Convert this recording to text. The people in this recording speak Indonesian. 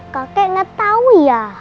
kakek ngetau ya